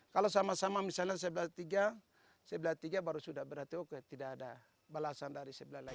kalau sama sama misalnya sebelah tiga sebelah tiga baru sudah berarti oke tidak ada balasan dari sebelah lagi